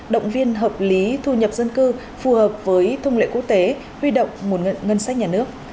động viên hợp lý thu nhập dân cư phù hợp với thông lệ quốc tế huy động nguồn ngân sách nhà nước